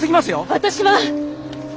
私は！